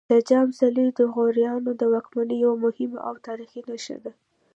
د جام څلی د غوریانو د واکمنۍ یوه مهمه او تاریخي نښه ده